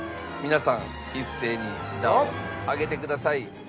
皆さん一斉に札を上げてください。